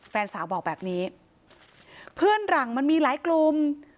แฟนสาวบอกแบบนี้เพื่อนหลังมันมีหลายกลุ่ม